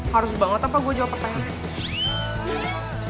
harus banget apa gue jawab pertanyaannya